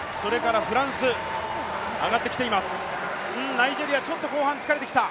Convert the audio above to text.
ナイジェリア、ちょっと後半疲れてきた。